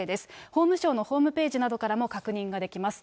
法務省のホームページなどからも確認ができます。